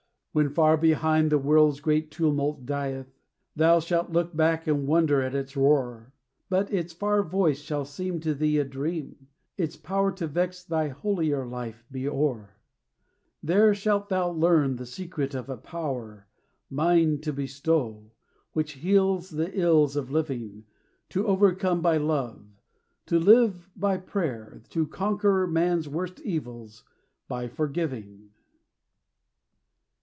"When far behind the world's great tumult dieth, Thou shalt look back and wonder at its roar; But its far voice shall seem to thee a dream, Its power to vex thy holier life be o'er. "There shalt thou learn the secret of a power, Mine to bestow, which heals the ills of living; To overcome by love, to live by prayer, To conquer man's worst evils by forgiving."